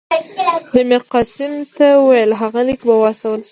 ده میرقاسم ته وویل هغه لیک به واستول شي.